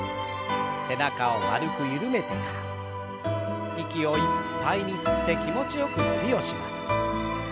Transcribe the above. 背中を丸く緩めてから息をいっぱいに吸って気持ちよく伸びをします。